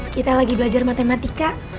kita lagi belajar matematika